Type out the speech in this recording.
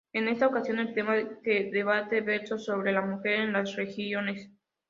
En esa ocasión, el tema de debate versó sobre La mujer en las religiones.